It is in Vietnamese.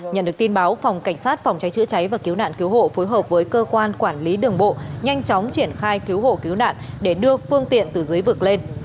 nhận được tin báo phòng cảnh sát phòng cháy chữa cháy và cứu nạn cứu hộ phối hợp với cơ quan quản lý đường bộ nhanh chóng triển khai cứu hộ cứu nạn để đưa phương tiện từ dưới vực lên